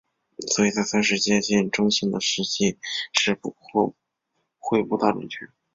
所以在测试接近中性的溶剂时或会不大准确。